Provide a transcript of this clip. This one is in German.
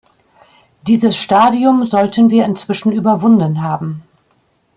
Dieses Stadium sollten wir inzwischen überwunden haben.